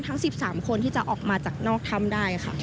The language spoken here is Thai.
ทั้ง๑๓คนที่จะออกมาจากนอกถ้ำได้ค่ะ